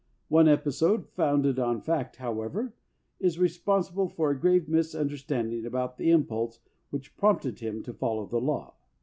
One episode, founded on fact, however, is re sponsible for a grave misunderstanding about the impulse which prompted him to follow the law.